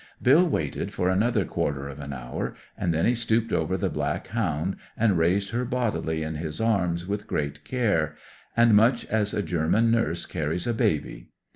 Bill waited for another quarter of an hour, and then he stooped over the black hound and raised her bodily in his arms with great care, and much as a German nurse carries a baby.